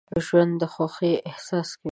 ژوندي د خوښۍ احساس کوي